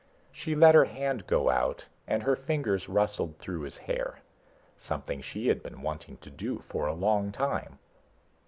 She let her hand go out and her fingers rustled through his hair. Something she had been wanting to do for a long time.